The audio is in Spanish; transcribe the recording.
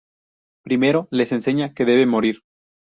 Primero, les enseña que debe morir.